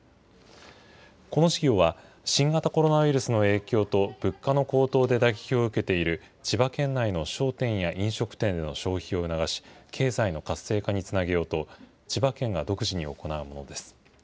この事業は、新型コロナウイルスの影響と物価の高騰で打撃を受けている千葉県内の商店や飲食店の消費を促し、経済の活性化につなげようと、千葉県が独自に行うものです。